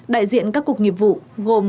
đại diện các cuộc nghiệp vụ gồm